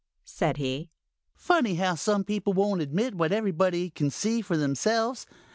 said he. "Funny how some people won't admit what everybody can see for themselves.